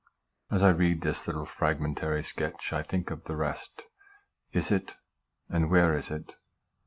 As I read this little fragmentary sketch, I think of the rest. Is it? And where is it